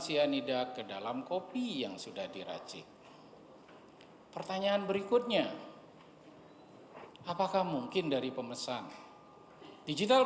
cyanida ke dalam kopi yang sudah diracik pertanyaan berikutnya apakah mungkin dari pemesan digital